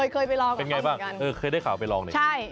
เคยไปลองเคยได้ข่าวไปลอง